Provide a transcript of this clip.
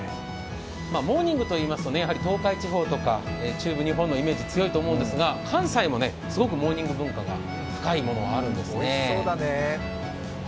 モーニングといいますと東海地方や中部地方のイメージが強いと思いますが関西もすごくモーニング文化が高いものがあるんですね。